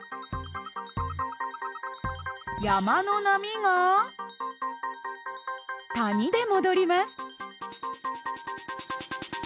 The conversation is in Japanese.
山の波が谷で戻ります。